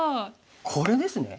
これですね。